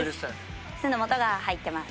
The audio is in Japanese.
はい酢の素が入ってます。